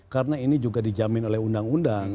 karena ini juga dijamin oleh undang undang